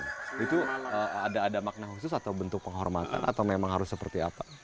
itu ada makna khusus atau bentuk penghormatan atau memang harus seperti apa